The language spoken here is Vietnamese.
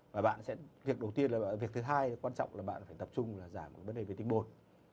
và bạn sẽ việc đầu tiên là việc thứ hai quan trọng là bạn phải tập trung là giảm vấn đề về tinh bột